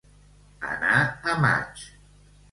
Anar a maig.